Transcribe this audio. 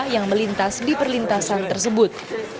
yang melintas di perlintasan tersebut